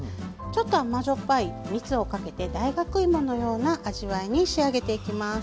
ちょっと甘塩っぱいみつをかけて大学いものような味わいに仕上げていきます。